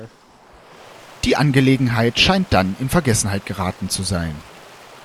Die Angelegenheit scheint dann in Vergessenheit geraten zu sein.